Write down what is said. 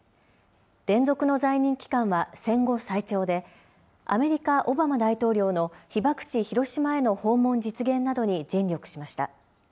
連続の在任期間は戦後最長で、アメリカ・オバマ大統領の被爆地、広島への訪問実現などに尽力しました。